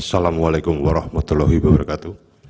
assalamu alaikum warahmatullahi wabarakatuh